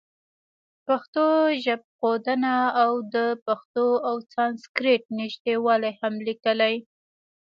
پښتو ژبښودنه او د پښتو او سانسکریټ نزدېوالی هم لیکلي.